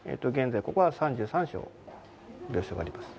現在ここは３３床。